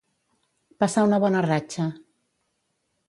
Passar una bona ratxa.